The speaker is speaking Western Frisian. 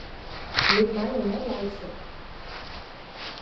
Lit my no net laitsje!